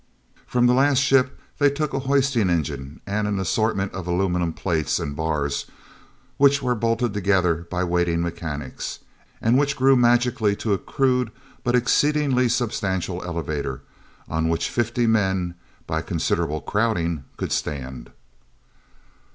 From the last ship they took a hoisting engine and an assortment of aluminum plates and bars which were bolted together by waiting mechanics, and which grew magically to a crude but exceedingly substantial elevator, on which fifty men, by considerable crowding, could stand.